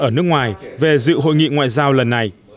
ở nước ngoài về dự hội nghị ngoại giao lần này